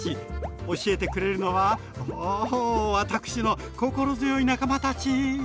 教えてくれるのはお私の心強い仲間たち！